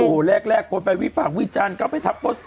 โอ้โหแรกคนไปวิปากวิจันทร์ก็ไปทับปุ๊บ